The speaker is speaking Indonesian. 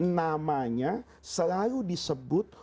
namanya selalu disebut